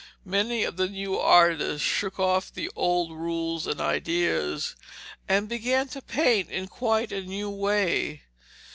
Many of the new artists shook off the old rules and ideas, and began to paint in quite a new way.